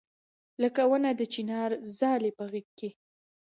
لکه ونه د چنار ځالې په غېږ کې